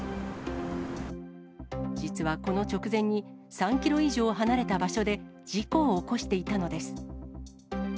実はこの直前に、３キロ以上離れた場所で、事故を起こしていたのです。